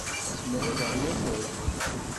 Yezmer ad aɣ-yalel?